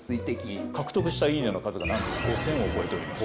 獲得した「いいね」の数がなんと５０００を超えております。